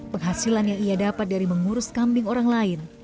penghasilan yang ia dapat dari mengurus kambing orang lain